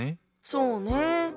そうね。